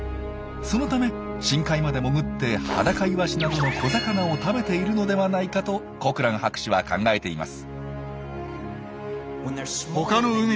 そのため深海まで潜ってハダカイワシなどの小魚を食べているのではないかとコクラン博士は考えています。